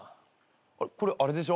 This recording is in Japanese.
これあれでしょ？